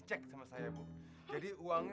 tidak ada kata berhenti